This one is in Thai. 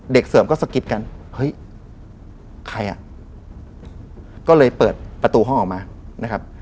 เสริมก็สกิดกันเฮ้ยใครอ่ะก็เลยเปิดประตูห้องออกมานะครับ